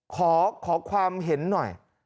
ขอความเห็นหน่อย